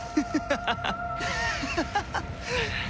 ハハハハ！